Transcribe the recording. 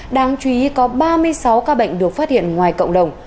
đáng chú ý có ba mươi sáu ca bệnh được phát hiện ngoài cộng đồng